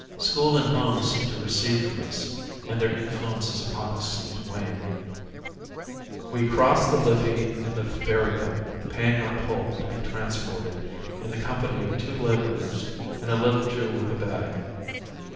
School and home seemed to recede from us and their influences upon us seemed to wane. We crossed the Liffey in the ferryboat, paying our toll to be transported in the company of two labourers and a little Jew with a bag.